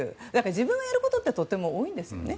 自分でやることってとても多いんですよね。